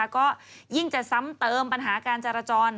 ก็ยิ่งจะซ้ำเติมปัญหาการจราจร